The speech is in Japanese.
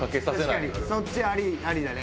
確かにそっちありだね。